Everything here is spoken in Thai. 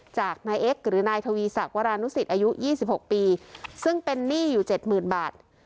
จากนายเอ็กซ์หรือนายทวีศักดิวรานุสิตอายุ๒๖ปีซึ่งเป็นหนี้อยู่เจ็ดหมื่นบาท